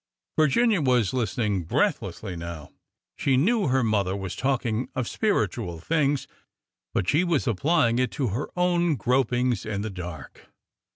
Virginia was listening breathlessly now. She knew her mother was talking of spiritual things, but she was apply ing it to her own gropings in the dark.